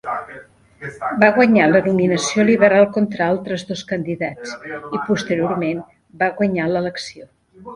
Va guanyar la nominació Liberal contra altres dos candidats i, posteriorment, va guanyar l'elecció.